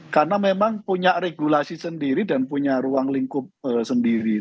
karena memang punya regulasi sendiri dan punya ruang lingkup sendiri